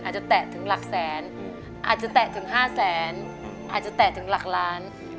แตะถึงหลักแสนอาจจะแตะถึง๕แสนอาจจะแตะถึงหลักล้าน